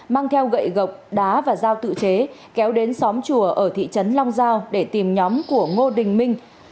mang theo gậy gộc đá và giao tự chế kéo đến xóm chùa ở thị trấn long giao để tìm nhóm của ngô đình minh